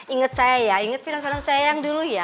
ingat saya ya inget film film saya yang dulu ya